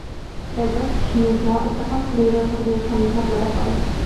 El Dodge Nitro está construido sobre esta misma plataforma.